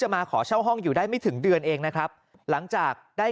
มาขอเช่าห้องอยู่ได้ไม่ถึงเดือนเองนะครับหลังจากได้